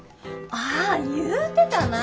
ああ言うてたな。